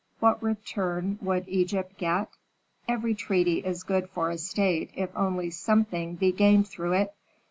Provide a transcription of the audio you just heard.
What return would Egypt get? Every treaty is good for a state if only something be gained through it.